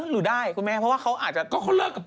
พูดเมื่อไหร่เขาก็บอกเองแหละเอาจริงนะ